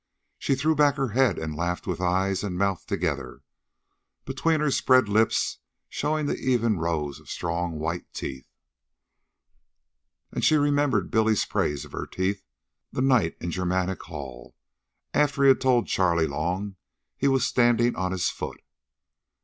She threw back her head and laughed with eyes and mouth together, between her spread lips showing the even rows of strong white teeth. And she remembered Billy's praise of her teeth, the night at Germanic Hall after he had told Charley Long he was standing on his foot.